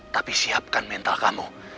tapi siapkan mental kamu